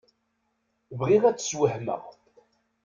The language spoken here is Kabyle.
Bɣiɣ ad t-sswehmeɣ.